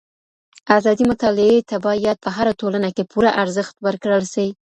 ازادي مطالعې ته بايد په هره ټولنه کي پوره ارزښت ورکړل سي.